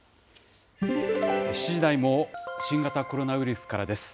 ７時台も新型コロナウイルスからです。